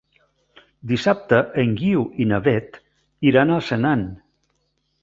Dissabte en Guiu i na Beth iran a Senan.